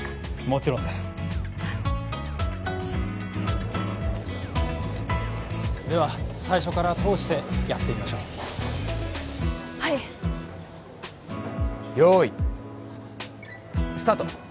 もちろんですでは最初から通してやってみましょうはいよーいスタート